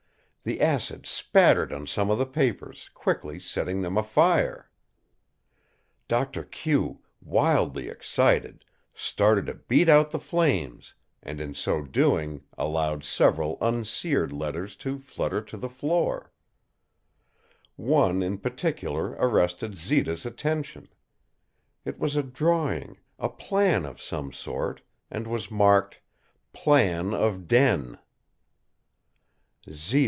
The acid spattered on some of the papers, quickly setting them afire. Doctor Q, wildly excited, started to beat out the flames, and in so doing allowed several unseared letters to flutter to the floor. One in particular arrested Zita's attention. It was a drawing, a plan of some sort, and was marked, "Plan of Den."